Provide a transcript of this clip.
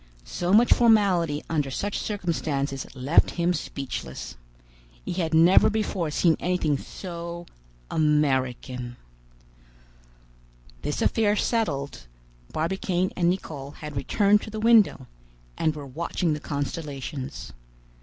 So much formality under such circumstances left him speechless. He had never before seen anything so "American." This is a purely French habit. This affair settled, Barbicane and Nicholl had returned to the window, and were watching the constellations.